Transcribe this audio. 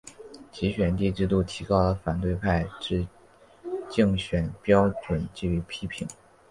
集选区制度提高了反对派之竞选标准予以批评。